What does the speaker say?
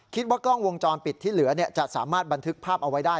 คิดว่ากล้องวงจรปิดที่เหลือจะสามารถบันทึกภาพเอาไว้ได้